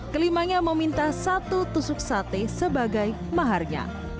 kelimanya meminta satu tusuk sate sebagai maharnya